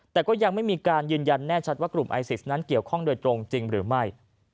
แต่ก็ยังไม่มีการยืนยันแน่ชัดว่ากลุ่มไอซิสนั้นเกี่ยวข้องโดยตรงจริงหรือไม่